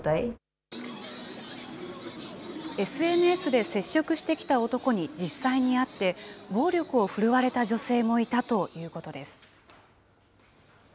ＳＮＳで接触してきた男に実際に会って、暴力を振るわれた女性もいたということです。